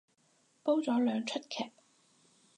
煲咗兩齣劇